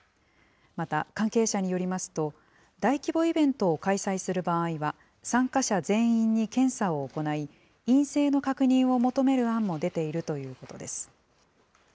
また、関係者によりますと、大規模イベントを開催する場合は、参加者全員に検査を行い、陰性の確認を求める案も出ているということです。